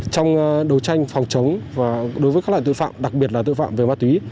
trong đấu tranh phòng chống đối với các loại tội phạm đặc biệt là tội phạm về ma túy